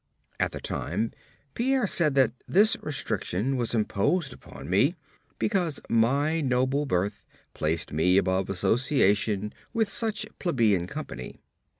At the time, Pierre said that this restriction was imposed upon me because my noble birth placed me above association with such plebeian company.